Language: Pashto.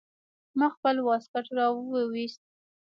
ما خپل واسکټ راوايست.